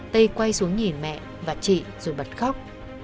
tây quay xuống nhìn mẹ và chị rồi bật khóc